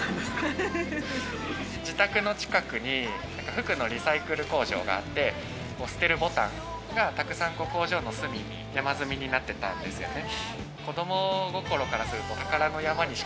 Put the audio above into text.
自宅の近くに服のリサイクル工場があって、透けるボタンが工場の隅に、山積みになってたんですよね。